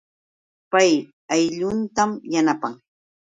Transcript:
Pay aylluntam yanapan